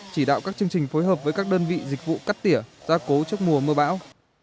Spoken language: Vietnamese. chỉ đạo các chương trình phối hợp với các đơn vị dịch vụ cắt tỉa gia cố trước mùa mưa bão